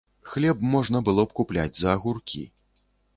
Хлеб можна было б купляць за агуркі.